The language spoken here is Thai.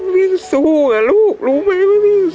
วิ่งสู้อะลูกรู้มั้ยวิ่งสู้อะ